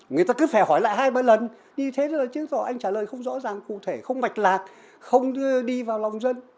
người ta cứ phải hỏi lại hai ba lần như thế là chứng tỏ anh trả lời không rõ ràng cụ thể không mạch lạc không đi vào lòng dân